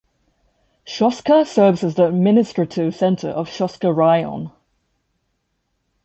Shostka serves as the administrative center of Shostka Raion.